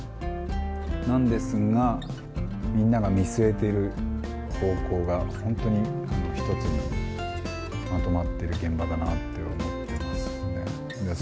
なんですが、みんなが見据えている方向が本当に一つにまとまってる現場だなって思ってます。